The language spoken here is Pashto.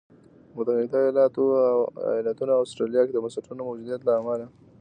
په متحده ایالتونو او اسټرالیا کې د بنسټونو موجودیت له امله.